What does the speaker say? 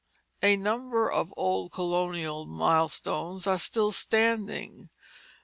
A number of old colonial milestones are still standing.